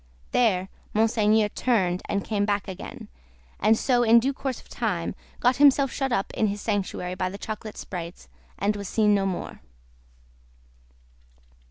There, Monseigneur turned, and came back again, and so in due course of time got himself shut up in his sanctuary by the chocolate sprites, and was seen no more.